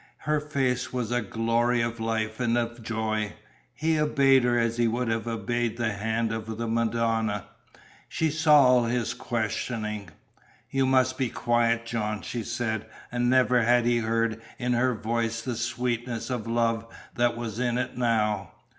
Her face was a glory of life and of joy. He obeyed her as he would have obeyed the hand of the Madonna. She saw all his questioning. "You must be quiet, John," she said, and never had he heard in her voice the sweetness of love that was in it now.